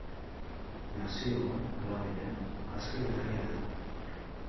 Nazioa, alabaina, aski berria da.